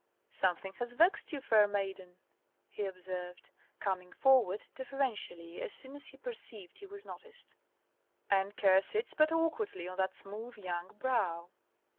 "Something has vexed you, fair maiden?" he observed, coming forward deferentially as soon as he perceived he was noticed; "and care sits but awkwardly on that smooth young brow."